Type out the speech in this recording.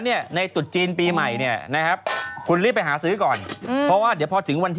ภาพคุยเรื่องอะไรไกลคนดูมันจะเข้าใส่นี่โลกจิต